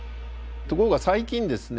ところが最近ですね